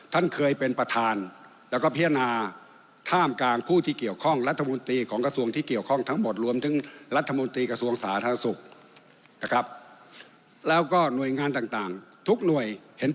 ท่านพลิเมฆนรงข์พิพัฒนาศัย